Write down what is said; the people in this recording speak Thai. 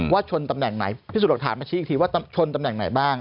ชนตำแหน่งไหนพิสูจน์หลักฐานมาชี้อีกทีว่าชนตำแหน่งไหนบ้าง